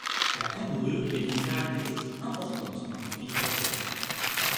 La cambrure est une caractéristique importante d'un profil porteur.